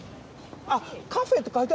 あっ！